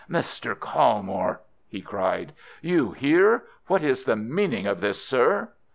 "Mr. Colmore!" he cried. "You here! What is the meaning of this, sir?"